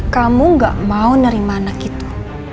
kamu gak mau nerima anak itu